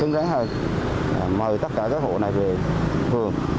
hơn ráng hơn mời tất cả các hộ này về phường